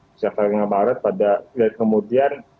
sejak tanggal tiga maret pada kemudian